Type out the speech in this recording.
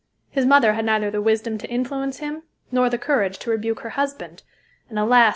His mother had neither the wisdom to influence him, nor the courage to rebuke her husband; and alas!